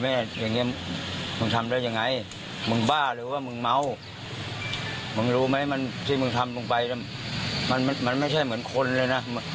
มันไม่ใช่เหมือนคนเลยนะแต่ว่าหมาก็ว่าหมากยังดีกว่ามึง